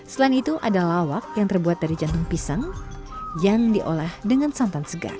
selain itu ada lawak yang terbuat dari jantung pisang yang diolah dengan santan segar